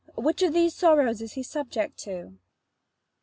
Which of these sorrows is he subject to?